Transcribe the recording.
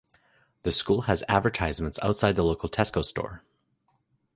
The school has advertisements outside the local Tesco store.